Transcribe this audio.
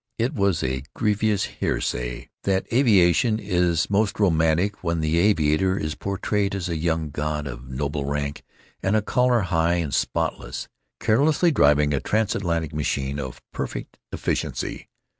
It is a grievous heresy that aviation is most romantic when the aviator is portrayed as a young god of noble rank and a collar high and spotless, carelessly driving a transatlantic machine of perfect efficiency.